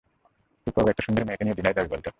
তুই কবে একটা সুন্দরী মেয়েকে নিয়ে ডিনারে যাবি বলত?